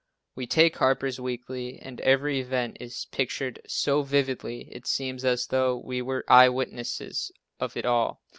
We take Harper's Weekly and every event is pictured so vividly it seems as though we were eye witnesses of it all.